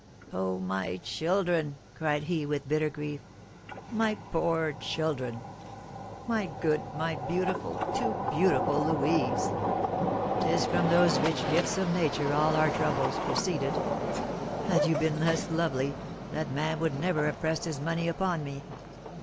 "Oh, my children!" cried he, with bitter grief; "my poor children! My good, my beautiful, too too beautiful Louise! 'Tis from those rich gifts of nature all our troubles proceeded. Had you been less lovely, that man would never have pressed his money upon me.